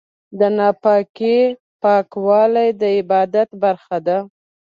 د ناپاکۍ پاکوالی د عبادت برخه ده.